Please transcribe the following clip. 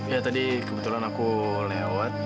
ya tadi kebetulan aku lewat